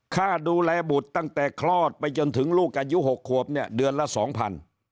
ข้าดูแลบุตรตั้งแต่คลอดไปจนถึงลูกอายุ๖ควบเดือนละ๒๐๐๐